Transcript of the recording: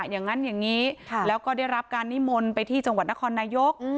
อย่างนี้แล้วก็ได้รับการนิมนต์ไปที่จังหวัดนครนายก